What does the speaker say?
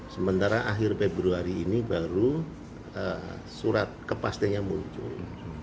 sementara akhir februari ini baru surat kepastiannya muncul